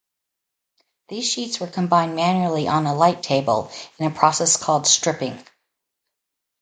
These sheets were combined manually on a light table, in a process called "stripping".